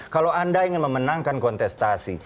kalau anda ingin memenangkan kontestasi